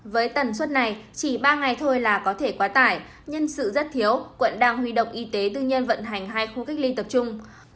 với tần suất này chỉ ba ngày thôi là có thể quá tải nhân sự rất thiếu quận đang huy động y tế tư nhân vận hành hai khu cách ly tập trung